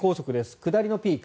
下りのピーク